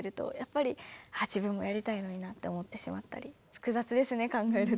複雑ですね考えると。